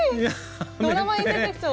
ドラマに出てきそう。